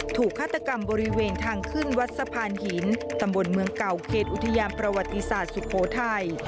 ฆาตกรรมบริเวณทางขึ้นวัดสะพานหินตำบลเมืองเก่าเขตอุทยานประวัติศาสตร์สุโขทัย